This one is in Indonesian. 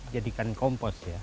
jadikan kompos ya